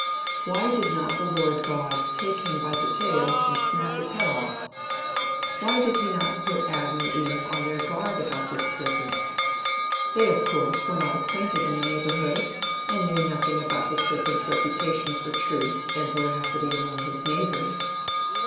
Why did not the Lord God take him by the tail and snap his head off? Why did he not put Adam and Eve on their guard about this serpent? They, of course, were not acquainted in the neighborhood, and knew nothing about the serpent's reputation for truth and veracity among his neighbors.